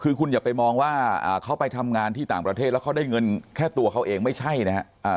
คือคุณอย่าไปมองว่าเขาไปทำงานที่ต่างประเทศแล้วเขาได้เงินแค่ตัวเขาเองไม่ใช่นะฮะ